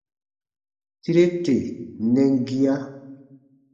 Tire tè nɛn gia.